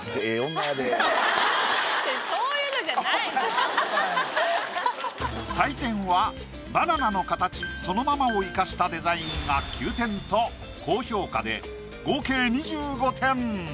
そういうのじゃないの。採点はバナナの形そのままを生かしたデザインが９点と高評価で合計２５点。